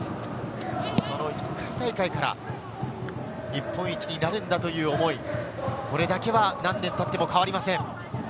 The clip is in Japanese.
その１回大会から日本一になるんだという思い、これだけは何年たっても変わりません。